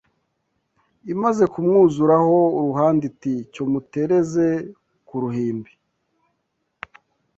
Imaze kumwuzuraho uruhande Iti “cyo mutereze ku ruhimbi